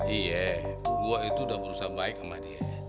iya gue itu udah berusaha baik sama dia